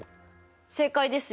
正解ですよ！